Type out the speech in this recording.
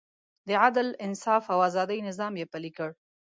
د عدل، انصاف او ازادۍ نظام یې پلی کړ.